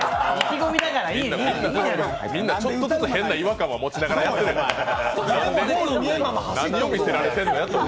みんなちょっとずつ変な違和感を持ちながらやってるんや。